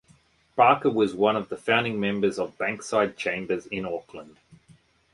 Barker was one of the founding members of Bankside Chambers in Auckland.